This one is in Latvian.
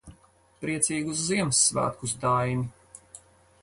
Priecīgus Ziemassvētkus, Daini.